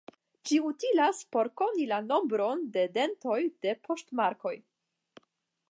Ĝi utilas por koni la nombron de dentoj de poŝtmarkoj.